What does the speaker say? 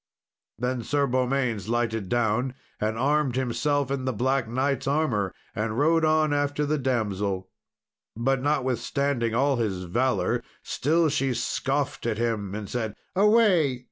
Then Sir Beaumains lighted down and armed himself in the Black Knight's armour, and rode on after the damsel. But notwithstanding all his valour, still she scoffed at him, and said, "Away!